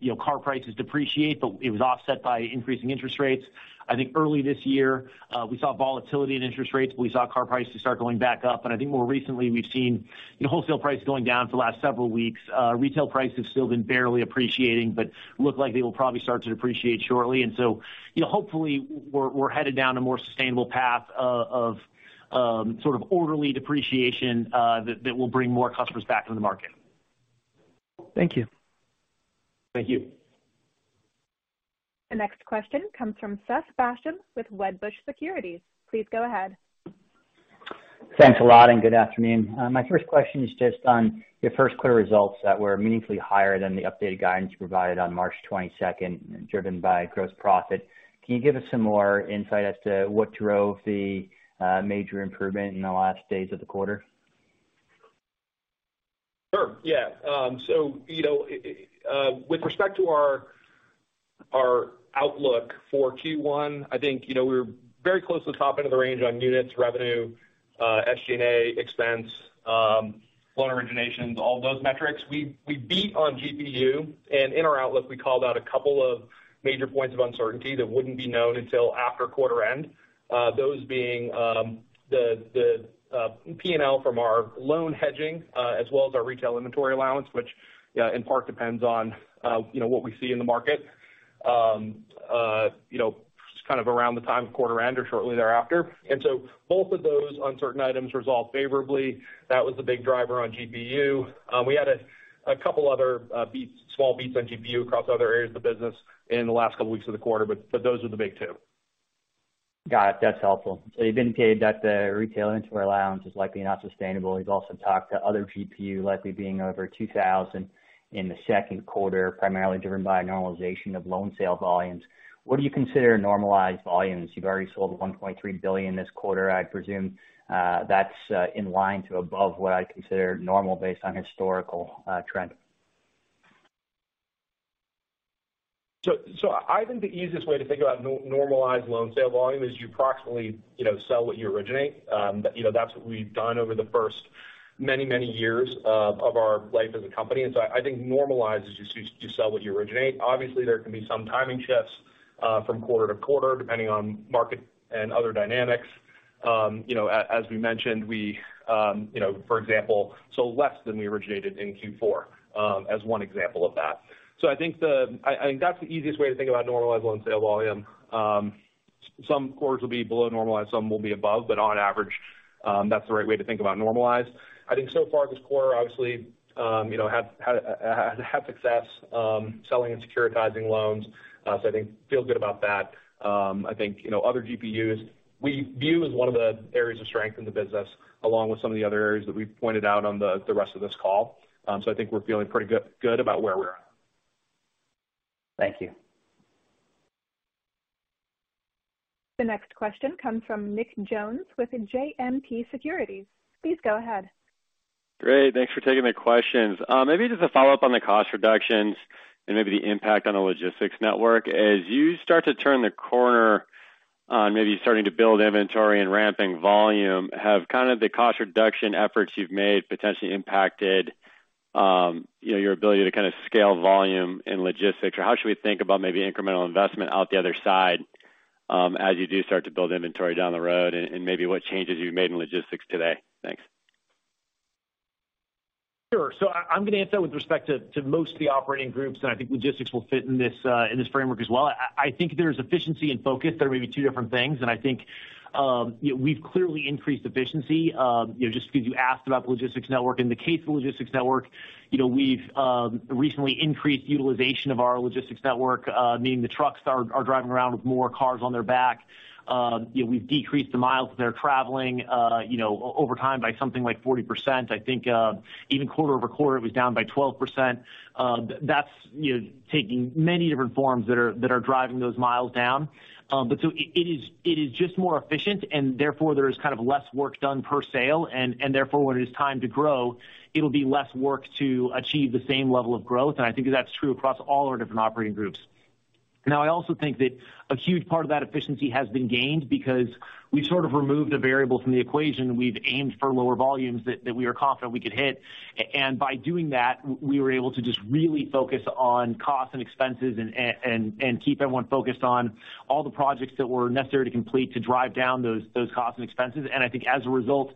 Speaker 4: you know, car prices depreciate, but it was offset by increasing interest rates. I think early this year, we saw volatility in interest rates, but we saw car prices start going back up. I think more recently we've seen, you know, wholesale price going down for the last several weeks. Retail prices still been barely appreciating but look like they will probably start to depreciate shortly. You know, hopefully we're headed down a more sustainable path of sort of orderly depreciation, that will bring more customers back into the market.
Speaker 8: Thank you.
Speaker 4: Thank you.
Speaker 1: The next question comes from Seth Basham with Wedbush Securities. Please go ahead.
Speaker 9: Thanks a lot and good afternoon. My 1st question is just on your Q1 results that were meaningfully higher than the updated guidance provided on March 22nd, driven by gross profit. Can you give us some more insight as to what drove the major improvement in the last days of the quarter?
Speaker 4: Sure, yeah. So, you know, with respect to our outlook for Q1, I think, you know, we're very close to the top end of the range on units, revenue, SG&A, expense, loan originations, all of those metrics. We beat on GPU. In our outlook, we called out a couple of major points of uncertainty that wouldn't be known until after quarter end. Those being, P&L from our loan hedging, as well as our retail inventory allowance, which in part depends on, you know, what we see in the market, you know, kind of around the time of quarter end or shortly thereafter. Both of those uncertain items resolved favorably. That was the big driver on GPU. We had a couple other beats, small beats on GPU across other areas of the business in the last couple weeks of the quarter, but those are the big 2.
Speaker 9: Got it. That's helpful. You've indicated that the retail inventory allowance is likely not sustainable. You've also talked to Other GPU likely being over $2,000 in the Q2, primarily driven by a normalization of loan sale volumes. What do you consider normalized volumes? You've already sold $1.3 billion this quarter. I'd presume that's in line to above what I consider normal based on historical trend.
Speaker 4: I think the easiest way to think about normalized loan sale volume is you approximately, you know, sell what you originate. You know, that's what we've done over the 1st many years of our life as a company. I think normalized is you sell what you originate. Obviously, there can be some timing shifts from quarter-to-quarter, depending on market and other dynamics. You know, as we mentioned, we, you know, for example, sold less than we originated in Q4, as 1 example of that. I think that's the easiest way to think about normalized loan sale volume. Some quarters will be below normalized, some will be above, but on average, that's the right way to think about normalized. I think so far this quarter, obviously, you know, had success selling and securitizing loans. I think feel good about that. I think, you know, other GPUs we view as one of the areas of strength in the business, along with some of the other areas that we've pointed out on the rest of this call. I think we're feeling pretty good about where we're at.
Speaker 9: Thank you.
Speaker 1: The next question comes from Nick Jones with JMP Securities. Please go ahead.
Speaker 10: Great. Thanks for taking the questions. maybe just a follow-up on the cost reductions and maybe the impact on the logistics network. As you start to turn the corner on maybe starting to build inventory and ramping volume, have kind of the cost reduction efforts you've made potentially impacted, you know, your ability to kind of scale volume and logistics? how should we think about maybe incremental investment out the other side, as you do start to build inventory down the road and maybe what changes you've made in logistics today? Thanks.
Speaker 3: Sure. I'm gonna answer that with respect to most of the operating groups, and I think logistics will fit in this in this framework as well. I think there's efficiency and focus that are maybe 2 different things. I think, you know, we've clearly increased efficiency. You know, just because you asked about the logistics network. In the case of the logistics network, you know, we've recently increased utilization of our logistics network, meaning the trucks are driving around with more cars on their back. You know, we've decreased the miles they're traveling, you know, over time by something like 40%. I think, even quarter-over-quarter it was down by 12%. That's, you know, taking many different forms that are driving those miles down. It is just more efficient and therefore there is kind of less work done per sale and therefore when it is time to grow, it'll be less work to achieve the same level of growth. I think that's true across all our different operating groups. I also think that a huge part of that efficiency has been gained because we've sort of removed a variable from the equation. We've aimed for lower volumes that we are confident we could hit. By doing that, we were able to just really focus on costs and expenses and keep everyone focused on all the projects that were necessary to complete to drive down those costs and expenses. I think as a result,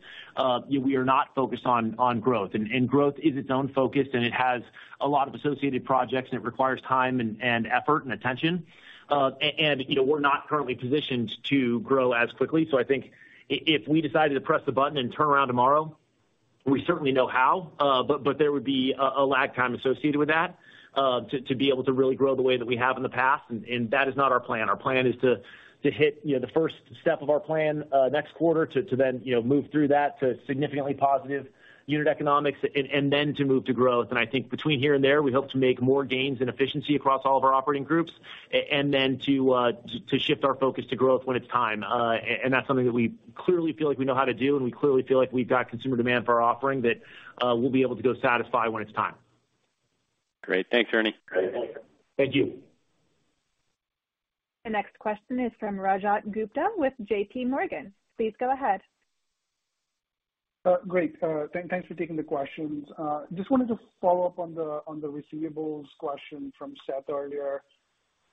Speaker 3: you know, we are not focused on growth. Growth is its own focus, and it has a lot of associated projects, and it requires time and effort and attention. And, you know, we're not currently positioned to grow as quickly. I think if we decided to press the button and turn around tomorrow, we certainly know how, but there would be a lag time associated with that, to be able to really grow the way that we have in the past. That is not our plan. Our plan is to hit, you know, the 1st step of our plan, next quarter to then, you know, move through that to significantly positive unit economics and then to move to growth. I think between here and there, we hope to make more gains in efficiency across all of our operating groups and then to shift our focus to growth when it's time. That's something that we clearly feel like we know how to do, and we clearly feel like we've got consumer demand for our offering that we'll be able to go satisfy when it's time.
Speaker 10: Great. Thanks, Ernie.
Speaker 3: Thank you.
Speaker 1: The next question is from Rajat Gupta with JPMorgan. Please go ahead.
Speaker 11: Great. Thanks for taking the questions. Just wanted to follow up on the, on the receivables question from Seth earlier.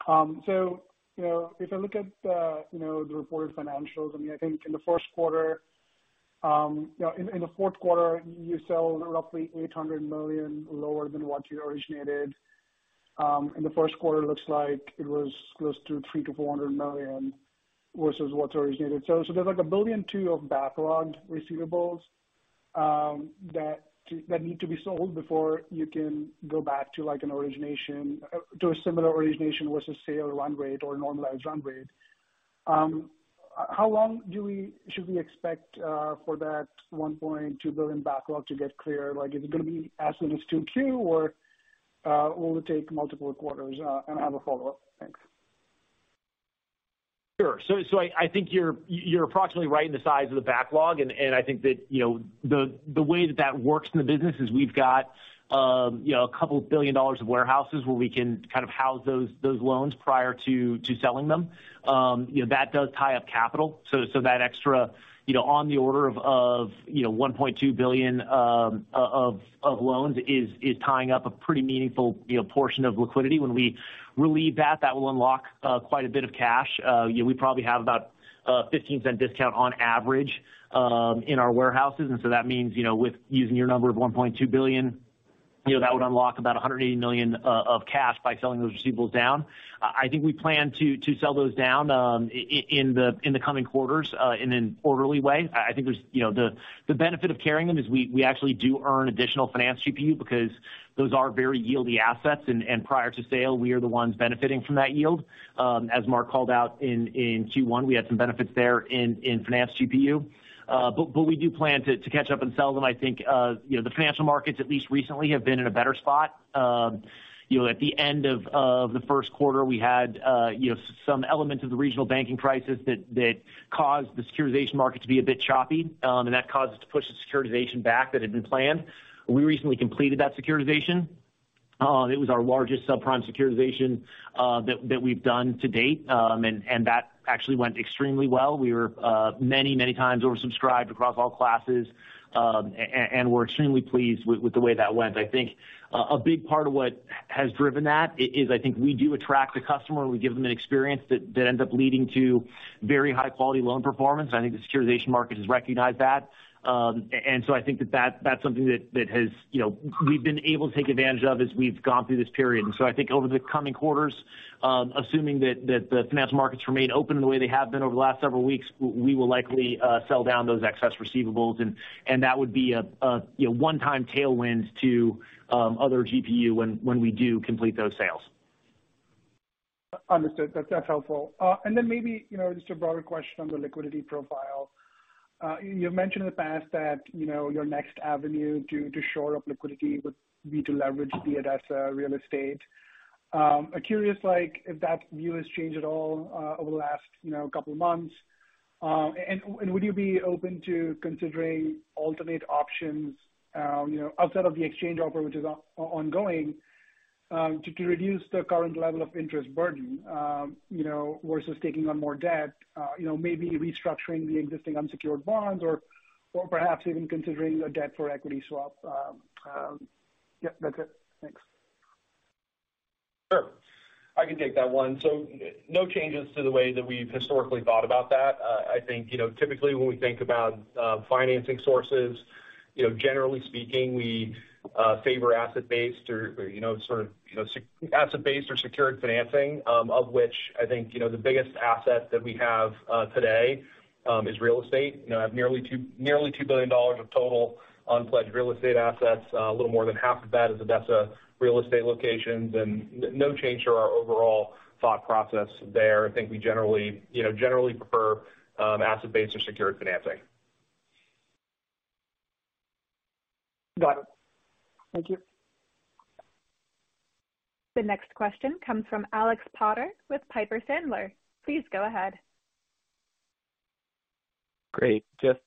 Speaker 11: So, you know, if I look at, you know, the reported financials, I mean, I think in the Q1, you know, in the Q4, you sell roughly $800 million lower than what you originated. In the Q1, looks like it was close to $300 million-$400 million versus what's originated. So, there's like $1.2 billion of backlogged receivables that need to be sold before you can go back to like an origination to a similar origination versus say, a run rate or a normalized run rate. How long should we expect for that $1.2 billion backlog to get clear? Like, is it gonna be as soon as 2Q or will it take multiple quarters? I have a follow-up. Thanks.
Speaker 3: Sure. I think you're approximately right in the size of the backlog. I think that, you know, the way that that works in the business is we've got, you know, a couple billion dollars of warehouses where we can kind of house those loans prior to selling them. You know, that does tie up capital. That extra, you know, on the order of, you know, $1.2 billion loans is tying up a pretty meaningful, you know, portion of liquidity. When we relieve that will unlock quite a bit of cash. You know, we probably have about a $0.15 discount on average in our warehouses. That means, you know, with using your number of $1.2 billion, you know, that would unlock about $180 million of cash by selling those receivables down. I think we plan to sell those down in the coming quarters in an orderly way. You know, the benefit of carrying them is we actually do earn additional finance GPU because those are very yield-y assets. Prior to sale, we are the ones benefiting from that yield. As Mark called out in Q1, we had some benefits there in finance GPU. We do plan to catch up and sell them. I think, you know, the financial markets at least recently have been in a better spot. You know, at the end of the Q1, we had, you know, some elements of the regional banking crisis that caused the securitization market to be a bit choppy. That caused us to push the securitization back that had been planned. We recently completed that securitization. It was our largest subprime securitization that we've done to date. That actually went extremely well. We were many times oversubscribed across all classes. And we're extremely pleased with the way that went. I think a big part of what has driven that is I think we do attract the customer and we give them an experience that ends up leading to very high-quality loan performance. I think the securitization market has recognized that. I think that's something that has, you know, we've been able to take advantage of as we've gone through this period. I think over the coming quarters, assuming that the financial markets remain open the way they have been over the last several weeks, we will likely sell down those excess receivables. That would be a, you know, one-time tailwind to Other GPU when we do complete those sales.
Speaker 11: Understood. That's, that's helpful. Then maybe, you know, just a broader question on the liquidity profile. You've mentioned in the past that, you know, your next avenue to shore up liquidity would be to leverage the ADESA real estate. I'm curious, like, if that view has changed at all over the last, you know, couple months. Would you be open to considering alternate options, you know, outside of the exchange offer which is ongoing, to reduce the current level of interest burden, you know, versus taking on more debt, you know, maybe restructuring the existing unsecured bonds or perhaps even considering a debt for equity swap? Yep, that's it. Thanks.
Speaker 3: Sure. I can take that one. No changes to the way that we've historically thought about that. I think, you know, typically when we think about financing sources, you know, generally speaking, we favor asset-based or you know, sort of, you know, asset-based or secured financing, of which I think, you know, the biggest asset that we have today is real estate. You know, have nearly $2 billion of total unpledged real estate assets. A little more than half of that is the ADESA real estate locations and no change to our overall thought process there. I think we generally, you know, generally prefer asset-based or secured financing.
Speaker 11: Got it. Thank you.
Speaker 1: The next question comes from Alex Potter with Piper Sandler. Please go ahead.
Speaker 12: Great. Just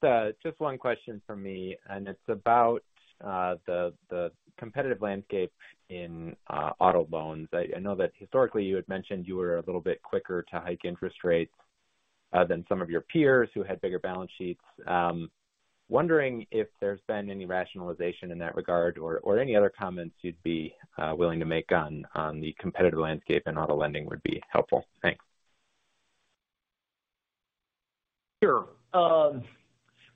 Speaker 12: 1 question from me, and it's about the competitive landscape in auto loans. I know that historically you had mentioned you were a little bit quicker to hike interest rates than some of your peers who had bigger balance sheets. Wondering if there's been any rationalization in that regard or any other comments you'd be willing to make on the competitive landscape in auto lending would be helpful. Thanks.
Speaker 3: Sure.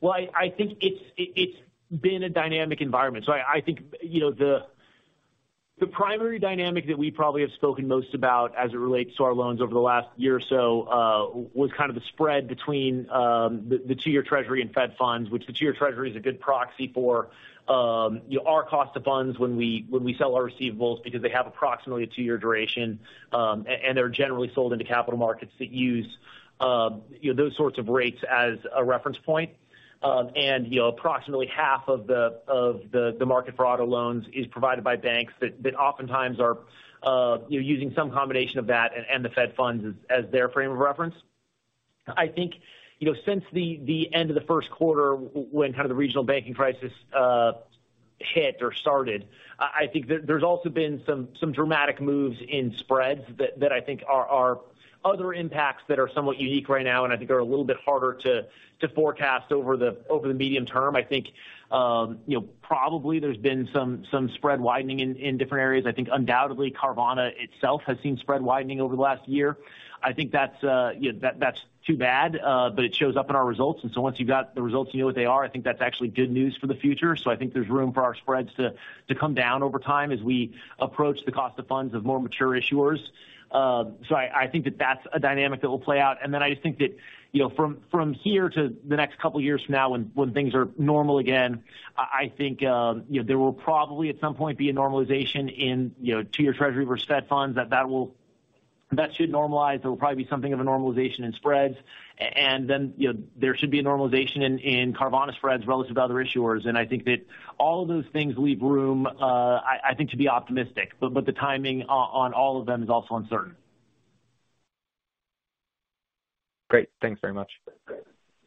Speaker 3: Well, I think it's been a dynamic environment. I think, you know, the primary dynamic that we probably have spoken most about as it relates to our loans over the last year or so, was kind of the spread between the 2-year Treasury and Fed funds, which the 2-year Treasury is a good proxy for, you know, our cost of funds when we, when we sell our receivables because they have approximately a 2-year duration. And they're generally sold into capital markets that use, you know, those sorts of rates as a reference point. You know, approximately half of the, of the market for auto loans is provided by banks that oftentimes are, you know, using some combination of that and the Fed funds as their frame of reference. I think, you know, since the end of the Q1 when kind of the regional banking crisis hit or started, I think there's also been some dramatic moves in spreads that I think are other impacts that are somewhat unique right now and I think are a little bit harder to forecast over the medium term. I think, you know, probably there's been some spread widening in different areas. I think undoubtedly Carvana itself has seen spread widening over the last year. I think that's, you know, that's too bad, but it shows up in our results. Once you've got the results, you know what they are. I think that's actually good news for the future. I think there's room for our spreads to come down over time as we approach the cost of funds of more mature issuers. I think that that's a dynamic that will play out. I just think that, you know, from here to the next couple years from now when things are normal again, I think, you know, there will probably at some point be a normalization in 2-year Treasury versus Fed funds. That should normalize. There will probably be something of a normalization in spreads. Then, you know, there should be a normalization in Carvana spreads relative to other issuers. I think that all of those things leave room, I think to be optimistic, but the timing on all of them is also uncertain.
Speaker 12: Great. Thanks very much.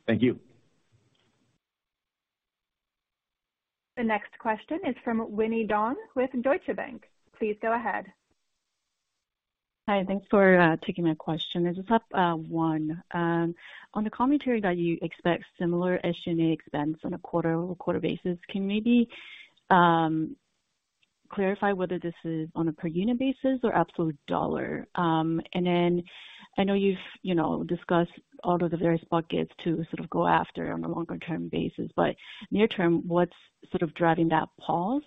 Speaker 3: Thank you.
Speaker 1: The next question is from Winnie Dong with Deutsche Bank. Please go ahead.
Speaker 13: Hi, thanks for taking my question. I just have 1. On the commentary that you expect similar SG&A expense on a quarter-over-quarter basis, can you maybe clarify whether this is on a per unit basis or absolute dollar? I know you've, you know, discussed all of the various buckets to sort of go after on a longer-term basis, but near term, what's sort of driving that pause?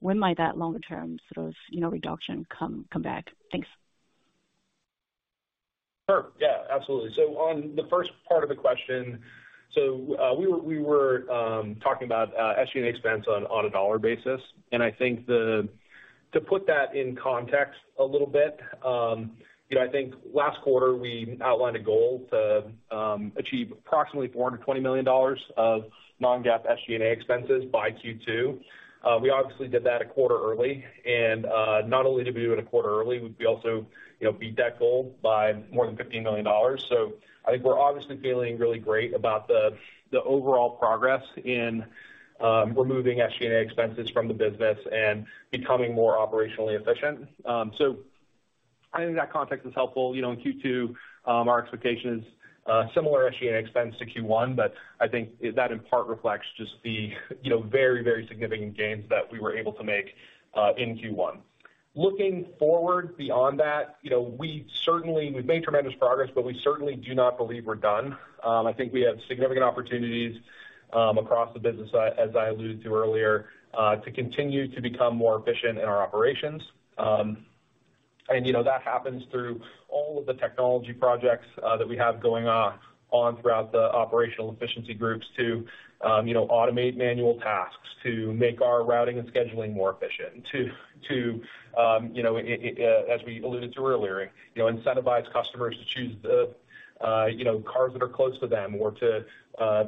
Speaker 13: When might that longer-term sort of, you know, reduction come back? Thanks.
Speaker 3: Sure. Yeah, absolutely. On the first part of the question, we were talking about SG&A expense on a dollar basis. To put that in context a little bit, you know, I think last quarter we outlined a goal to achieve approximately $420 million of non-GAAP SG&A expenses by Q2. We obviously did that a quarter early, not only did we do it a quarter early, we also, you know, beat that goal by more than $15 million. I think we're obviously feeling really great about the overall progress in removing SG&A expenses from the business and becoming more operationally efficient. I think that context is helpful. You know, in Q2, our expectation is similar SG&A expense to Q1. I think that in part reflects just the, you know, very, very significant gains that we were able to make in Q1. Looking forward beyond that, you know, we certainly, we've made tremendous progress. We certainly do not believe we're done. I think we have significant opportunities across the business, as I alluded to earlier, to continue to become more efficient in our operations. You know, that happens through all of the technology projects that we have going on throughout the operational efficiency groups to, you know, automate manual tasks, to make our routing and scheduling more efficient, to, you know, as we alluded to earlier, you know, incentivize customers to choose the, you know, cars that are close to them or to,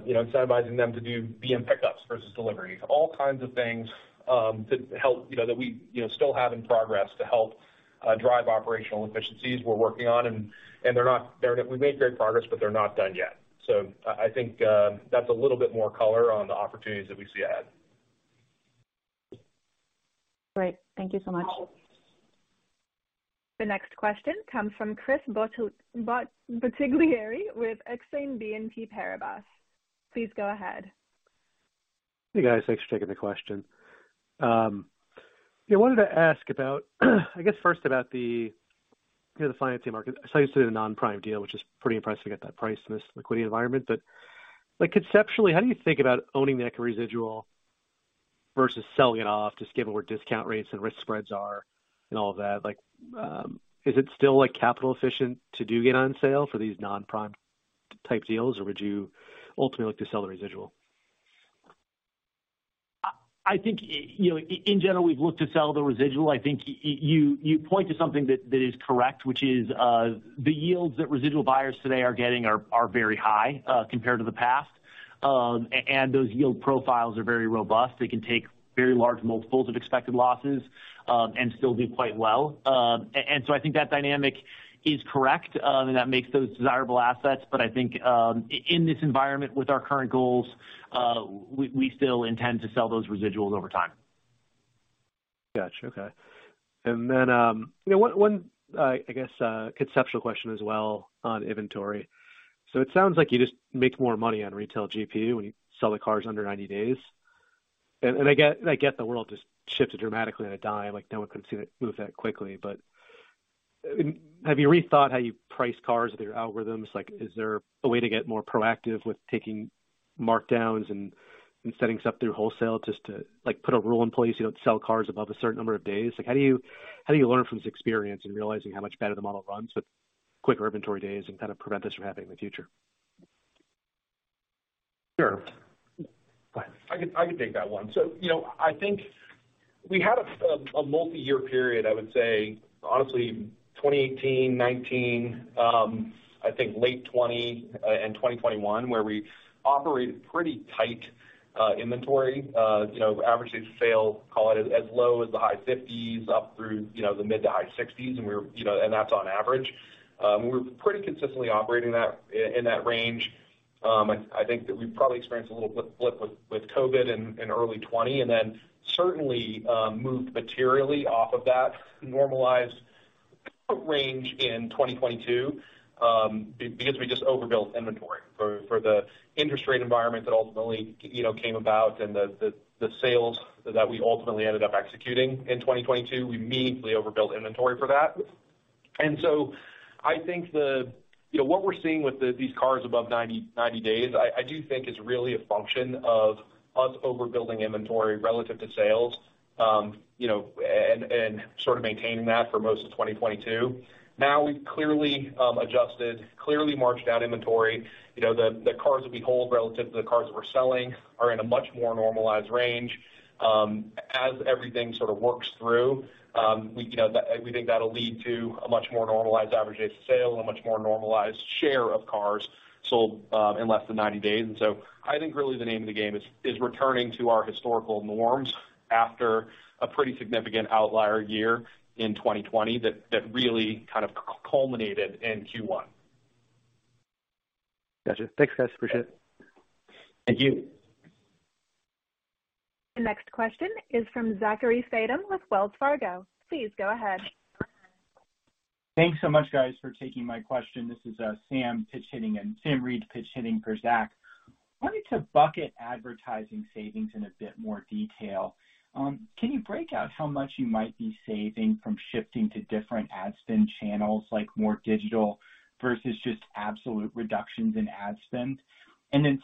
Speaker 3: you know, incentivizing them to do VM pickups versus delivery. All kinds of things to help, you know, that we, you know, still have in progress to help drive operational efficiencies we're working on. They're not. We've made great progress, but they're not done yet. I think, that's a little bit more color on the opportunities that we see ahead.
Speaker 13: Great. Thank you so much.
Speaker 1: The next question comes from Chris Bottiglieri with Exane BNP Paribas. Please go ahead.
Speaker 14: Hey, guys. Thanks for taking the question. Yeah, wanted to ask about I guess first about the, you know, the financing market. You said a non-prime deal, which is pretty impressive to get that price in this liquidity environment. Like conceptually, how do you think about owning that residual versus selling it off, just given where discount rates and risk spreads are and all that. Like, is it still like capital efficient to do get on sale for these non-prime type deals, or would you ultimately look to sell the residual?
Speaker 3: I think you know, in general, we've looked to sell the residual. I think you point to something that is correct, which is, the yields that residual buyers today are getting are very high compared to the past. Those yield profiles are very robust. They can take very large multiples of expected losses, and still do quite well. I think that dynamic is correct, and that makes those desirable assets. I think, in this environment with our current goals, we still intend to sell those residuals over time.
Speaker 14: Gotcha. Okay. You know, 1, I guess, conceptual question as well on inventory. It sounds like you just make more money on Retail GPU when you sell the cars under 90 days. I get the world just shifted dramatically on a dime, like no one could see that move that quickly. Have you rethought how you price cars with your algorithms? Like, is there a way to get more proactive with taking markdowns and setting stuff through wholesale just to, like, put a rule in place you don't sell cars above a certain number of days? Like, how do you learn from this experience and realizing how much better the model runs with quicker inventory days and kind of prevent this from happening in the future?
Speaker 3: Sure.
Speaker 14: Go ahead.
Speaker 3: I can take that one. You know, I think we had a multi-year period, I would say honestly, 2018, 2019, I think late 2020 and 2021, where we operated pretty tight inventory. You know, average age of sale, call it as low as the high 50s up through, you know, the mid to high 60s. We're, you know, and that's on average. We're pretty consistently operating in that range. I think that we've probably experienced a little blip with COVID in early 2020, and then certainly moved materially off of that normalized range in 2022, because we just overbuilt inventory for the interest rate environment that ultimately, you know, came about and the sales that we ultimately ended up executing in 2022, we meaningfully overbuilt inventory for that. I think the... You know, what we're seeing with these cars above 90 days, I do think is really a function of us overbuilding inventory relative to sales, you know, and sort of maintaining that for most of 2022. We've clearly adjusted, clearly marked down inventory. You know, the cars that we hold relative to the cars that we're selling are in a much more normalized range. As everything sort of works through, we, you know, we think that'll lead to a much more normalized average age of sale and a much more normalized share of cars sold in less than 90 days. I think really the name of the game is returning to our historical norms after a pretty significant outlier year in 2020 that really culminated in Q1.
Speaker 14: Gotcha. Thanks, guys. Appreciate it.
Speaker 3: Thank you.
Speaker 1: The next question is from Zachary Fadem with Wells Fargo. Please go ahead.
Speaker 15: Thanks so much, guys, for taking my question. This is Sam pitch hitting in. Sam Reid pitch hitting for Zach. Wanted to bucket advertising savings in a bit more detail. Can you break out how much you might be saving from shifting to different ad spend channels, like more digital versus just absolute reductions in ad spend?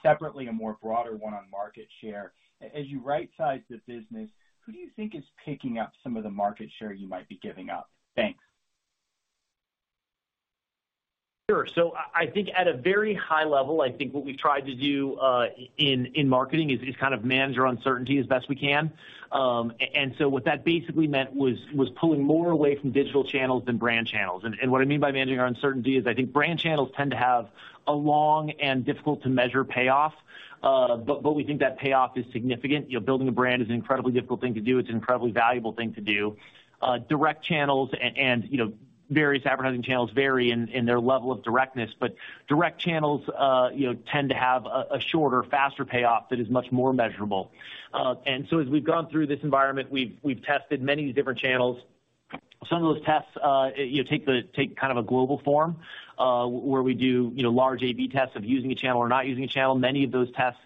Speaker 15: Separately, a more broader one on market share. As you right-size the business, who do you think is picking up some of the market share you might be giving up? Thanks.
Speaker 3: I think at a very high level, I think what we've tried to do in marketing is kind of manage our uncertainty as best we can. What that basically meant was pulling more away from digital channels than brand channels. What I mean by managing our uncertainty is I think brand channels tend to have a long and difficult to measure payoff. We think that payoff is significant. You know, building a brand is an incredibly difficult thing to do. It's an incredibly valuable thing to do. Direct channels and, you know, various advertising channels vary in their level of directness, direct channels, you know, tend to have a shorter, faster payoff that is much more measurable. As we've gone through this environment, we've tested many different channels. Some of those tests, you know, take kind of a global form, where we do, you know, large A/B tests of using a channel or not using a channel. Many of those tests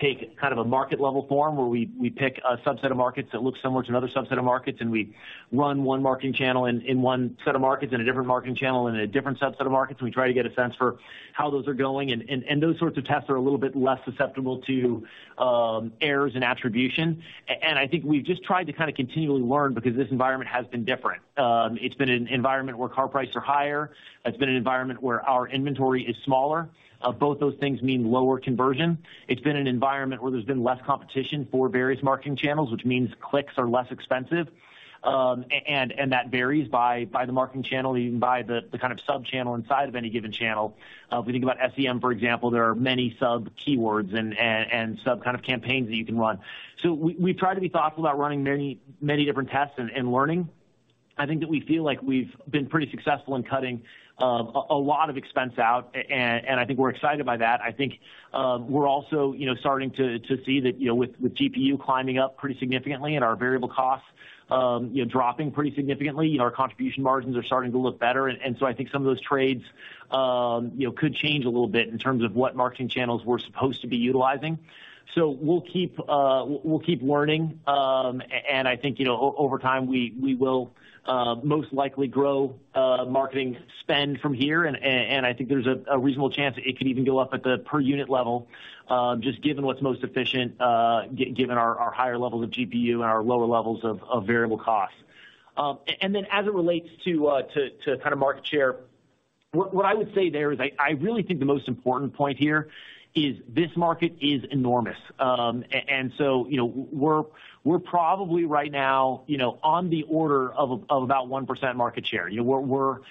Speaker 3: take kind of a market level form where we pick a subset of markets that look similar to another subset of markets, and we run 1 marketing channel in 1 set of markets and a different marketing channel in a different subset of markets, and we try to get a sense for how those are going. Those sorts of tests are a little bit less susceptible to errors in attribution. I think we've just tried to kind of continually learn because this environment has been different. It's been an environment where car prices are higher. It's been an environment where our inventory is smaller. Both those things mean lower conversion. It's been an environment where there's been less competition for various marketing channels, which means clicks are less expensive. That varies by the marketing channel, even by the kind of sub-channel inside of any given channel. If we think about SEM, for example, there are many sub-keywords and sub kind of campaigns that you can run. We try to be thoughtful about running many different tests and learning. I think that we feel like we've been pretty successful in cutting a lot of expense out, and I think we're excited by that. I think, we're also starting to see that with GPU climbing up pretty significantly and our variable costs dropping pretty significantly, our contribution margins are starting to look better. I think some of those trades could change a little bit in terms of what marketing channels we're supposed to be utilizing. We'll keep learning. I think over time we will most likely grow marketing spend from here. I think there's a reasonable chance that it could even go up at the per unit level, just given what's most efficient, given our higher levels of GPU and our lower levels of variable costs. Then as it relates to, to kinda market share, what I would say there is I really think the most important point here is this market is enormous. You know, we're probably right now, you know, on the order of about 1% market share. You know,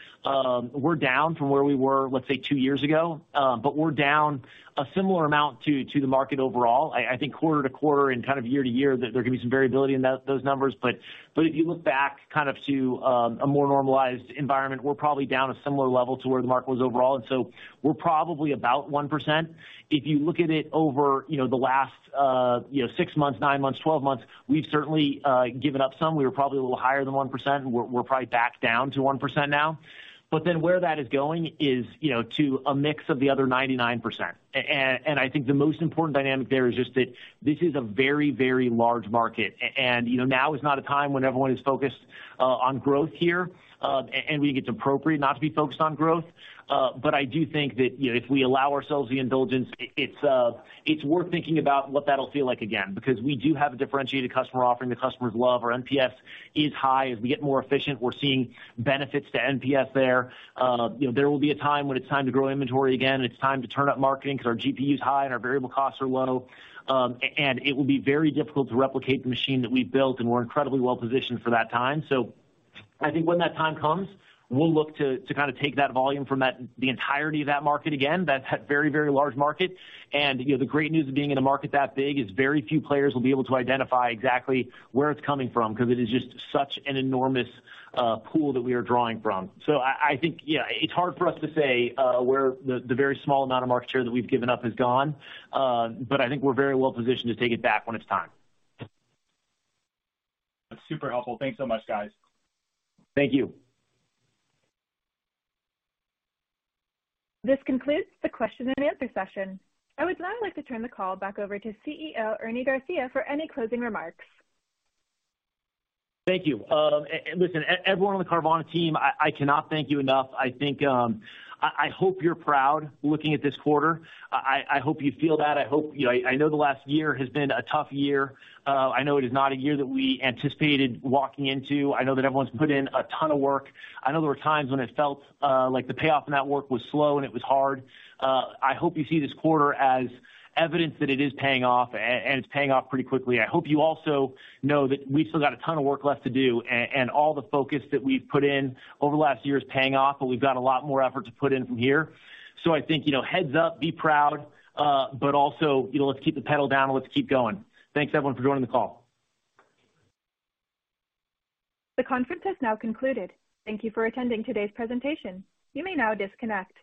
Speaker 3: we're down from where we were, let's say, 2 years ago, but we're down a similar amount to the market overall. I think quarter-to-quarter and kind of year to year there can be some variability in those numbers. If you look back kind of to a more normalized environment, we're probably down a similar level to where the market was overall. So we're probably about 1%. If you look at it over, you know, the last, you know, 6 months, 9 months, 12 months, we've certainly given up some. We were probably a little higher than 1%. We're probably back down to 1% now. Where that is going is, you know, to a mix of the other 99%. And I think the most important dynamic there is just that this is a very, very large market. You know, now is not a time when everyone is focused on growth here, and we think it's appropriate not to be focused on growth. But I do think that, you know, if we allow ourselves the indulgence, it's worth thinking about what that'll feel like again, because we do have a differentiated customer offering the customers love. Our NPS is high. As we get more efficient, we're seeing benefits to NPS there. you know, there will be a time when it's time to grow inventory again, and it's time to turn up marketing 'cause our GPU is high and our variable costs are low. It will be very difficult to replicate the machine that we've built, and we're incredibly well positioned for that time. I think when that time comes, we'll look to kinda take that volume from the entirety of that market again, that very, very large market. you know, the great news of being in a market that big is very few players will be able to identify exactly where it's coming from 'cause it is just such an enormous pool that we are drawing from. I think, yeah, it's hard for us to say, where the very small amount of market share that we've given up has gone, but I think we're very well positioned to take it back when it's time.
Speaker 15: That's super helpful. Thanks so much, guys.
Speaker 3: Thank you.
Speaker 1: This concludes the question and answer session. I would now like to turn the call back over to CEO Ernie Garcia for any closing remarks.
Speaker 3: Thank you. Listen, everyone on the Carvana team, I cannot thank you enough. I think, I hope you're proud looking at this quarter. I hope you feel that. I hope, you know, I know the last year has been a tough year. I know it is not a year that we anticipated walking into. I know that everyone's put in a ton of work. I know there were times when it felt, like the payoff in that work was slow and it was hard. I hope you see this quarter as evidence that it is paying off and it's paying off pretty quickly. I hope you also know that we've still got a ton of work left to do, and all the focus that we've put in over the last year is paying off, but we've got a lot more effort to put in from here. I think, you know, heads up, be proud, but also, you know, let's keep the pedal down and let's keep going. Thanks, everyone, for joining the call.
Speaker 1: The conference has now concluded. Thank you for attending today's presentation. You may now disconnect.